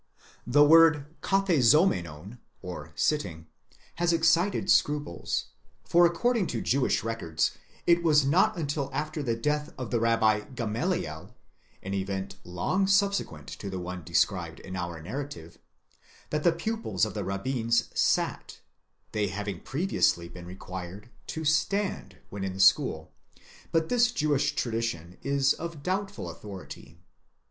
The word καθεζόμενον (sctting) has excited scruples, for according to Jewish records, it was not until after the death of the Rabbi Gamaliel, an event long subse quent to the one described in our narrative, that the pupils of the rabbins sat, they having previously been required to stand ® when in the school; but this Jewish tradition is of doubtful authority.?